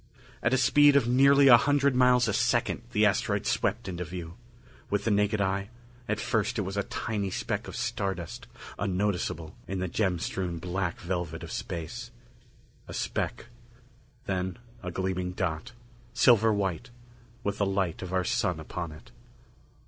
At a speed of nearly a hundred miles a second the asteroid swept into view. With the naked eye, at first it was a tiny speck of star dust unnoticeable in the gem strewn black velvet of space. A speck. Then a gleaming dot, silver white, with the light of our Sun upon it.